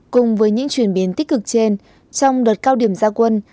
cùng với những chuyển biến tích cực trên trong đợt cao điểm gia quân